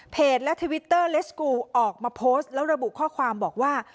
และทวิตเตอร์เลสกูลออกมาโพสต์แล้วระบุข้อความบอกว่า